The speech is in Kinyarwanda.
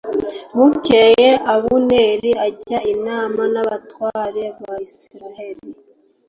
Bukeye Abuneri ajya inama n’abatware ba Isirayeli